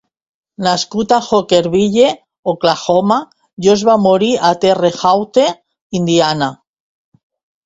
Nascut a Hockerville, Oklahoma, George va morir a Terre Haute, Indiana.